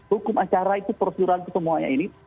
hukum acara itu prosedural ketemuanya ini